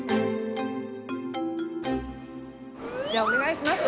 じゃあお願いします。